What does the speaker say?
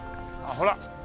ほら。